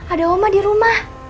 ada oma di rumah